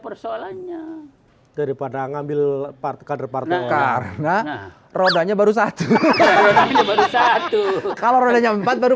persoalannya daripada ngambil part kader part karena rodanya baru satu kalau ada yang empat baru